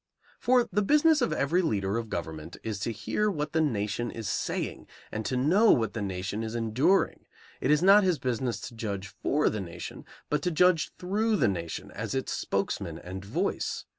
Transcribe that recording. For the business of every leader of government is to hear what the nation is saying and to know what the nation is enduring. It is not his business to judge for the nation, but to judge through the nation as its spokesman and voice.